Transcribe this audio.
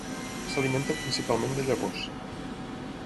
S'alimenta principalment de llavors.